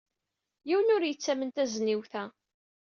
Yiwen ur yettamen tazniwt-a.